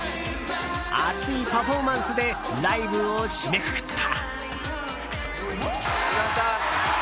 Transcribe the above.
熱いパフォーマンスでライブを締めくくった。